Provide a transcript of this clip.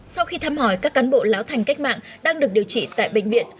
sau khi thăm hỏi các cán bộ lão thành cách mạng đang được điều trị tại bệnh viện